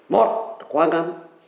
một quá ngắn